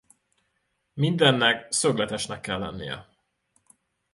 Mindennek szögletesnek kell lennie.